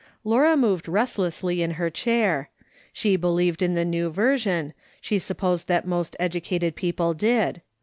Laura moved restlessly in her chair. She believed in the New Version, she supposed that most educated people did.